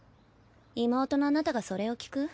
妹のあなたがそれを聞く？